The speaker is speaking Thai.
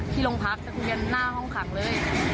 ที่โรงพักแต่คุยกันหน้าห้องขังเลย